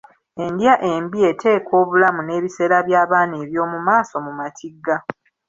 Endya embi eteeka obulamu n'ebiseera by'abaana eby'omu maaso mu matigga.